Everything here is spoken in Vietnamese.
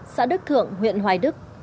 xã đức thượng huyện hoài đức